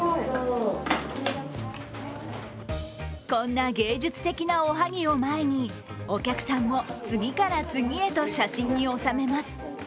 こんな芸術的なおはぎを前にお客さんも次から次へと写真に収めます。